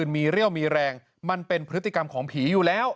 มีเรี่ยวมีแรงมันเป็นพฤติกรรมของผีอยู่แล้ว